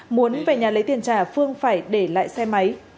muốn về nhà lấy tiền trả phương phải để lại xe máy